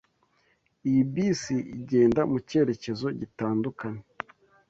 Iyi bisi igenda mucyerekezo gitandukanye.